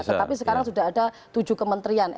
tetapi sekarang sudah ada tujuh kementerian